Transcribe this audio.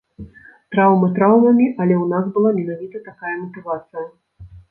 Траўмы траўмамі, але ў нас была менавіта такая матывацыя.